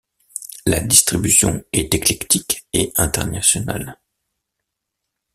La distribution est éclectique et internationale.